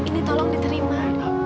ini tolong diterima